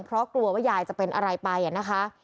เพราะกลัวว่ายายจะเป็นอะไรไปนะคะ